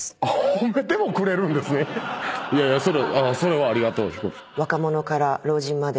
いやいやそれはありがとうヒコロヒー。